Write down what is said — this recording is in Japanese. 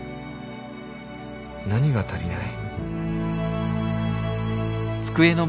何が足りない？